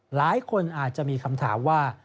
หลายคนอาจจะมีคำถามว่า